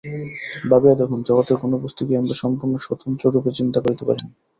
ভাবিয়া দেখুন, জগতের কোন বস্তুকেই আমরা সম্পূর্ণ স্বতন্ত্র বস্তুরূপে চিন্তা করিতে পারি না।